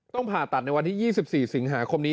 ผ่าตัดในวันที่๒๔สิงหาคมนี้